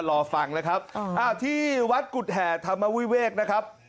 รอฟังนะครับที่วัดกุฎแห่ธรรมวิเวกนะครับ